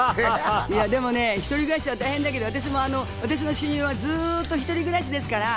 一人暮らしは大変だけど、私の親友はずっと一人暮らしですから。